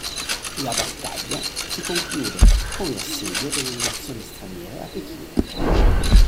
La battaglia si conclude con l'assedio delle legazioni straniere a Pechino.